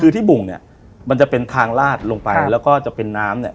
คือที่บุ่งเนี่ยมันจะเป็นทางลาดลงไปแล้วก็จะเป็นน้ำเนี่ย